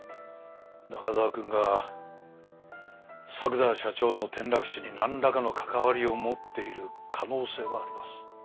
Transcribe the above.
中沢くんが作田社長の転落死になんらかの関わりをもっている可能性はあります。